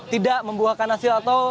tidak membuahkan hasil atau